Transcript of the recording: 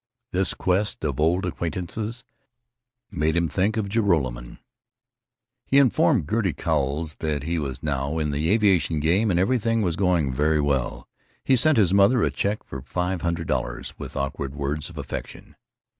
This quest of old acquaintances made him think of Joralemon. He informed Gertie Cowles that he was now "in the aviation game, and everything is going very well." He sent his mother a check for five hundred dollars, with awkward words of affection.